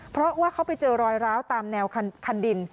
เพราะว่าเขาไปเจอรอยร้าวตามแนวคันดิน